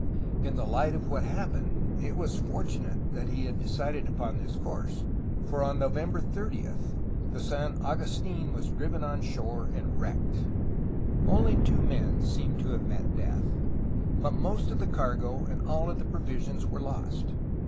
In the light of what happened it was fortunate that he had decided upon this course, for on November 30 the San Agustin was driven on shore and v/recked. Only two men seem to have met death, but most of the cargo and all of the provisions were lost.